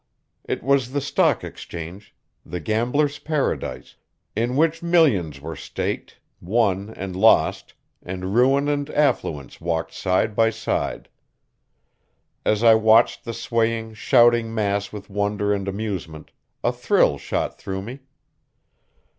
It was the Stock Exchange, the gamblers' paradise, in which millions were staked, won and lost, and ruin and affluence walked side by side. As I watched the swaying, shouting mass with wonder and amusement, a thrill shot through me.